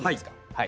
はい。